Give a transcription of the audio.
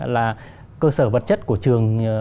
là cơ sở vật chất của trường